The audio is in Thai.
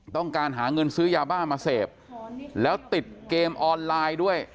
ต้องการหาเงินซื้อยาบ้ามาเสพแล้วติดเกมออนไลน์ด้วย